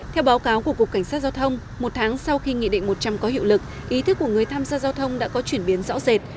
theo báo cáo của cục cảnh sát giao thông một tháng sau khi nghị định một trăm linh có hiệu lực ý thức của người tham gia giao thông đã có chuyển biến rõ rệt